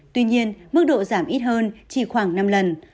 tuy nhiên mức độ giảm ít hơn chỉ khoảng năm lần